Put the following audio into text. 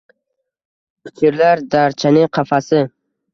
Pichirlar darchaning qafasi